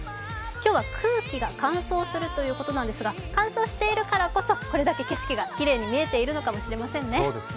今日は空気が乾燥するということですが乾燥しているからこそこれだけ景色がきれいに見えているのかもしれませんね。